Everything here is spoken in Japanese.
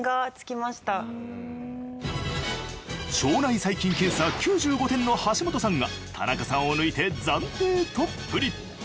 腸内細菌検査９５点の橋本さんが田中さんを抜いて暫定トップに。